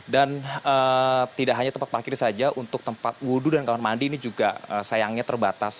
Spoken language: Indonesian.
dan tidak hanya tempat parkir saja untuk tempat wudhu dan kamar mandi ini juga sayangnya terbatas